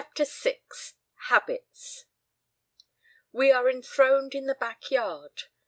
Tr. VI Habits WE are enthroned in the back yard.